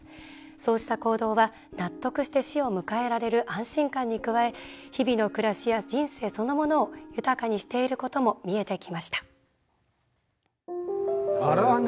そうした行動は納得して死を迎えられる安心感に加え日々の暮らしや人生そのものを豊かにしていることも見えてきました。